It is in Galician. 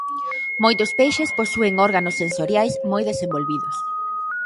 Moitos peixes posúen órganos sensoriais moi desenvolvidos.